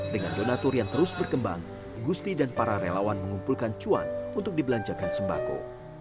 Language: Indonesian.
dengan donatur yang terus berkembang gusti dan para relawan mengumpulkan cuan untuk dibelanjakan sembako